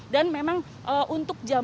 dan memang untuk jalur